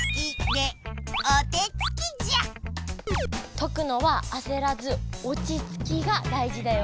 とくのはあせらず「おちつき」が大事だよ。